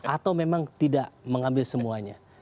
atau memang tidak mengambil semuanya